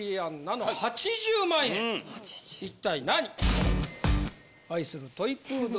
一体何？